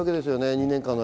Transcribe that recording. ２年間で。